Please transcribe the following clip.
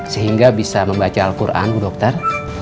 sehingga bisa membaca al quran bu dokter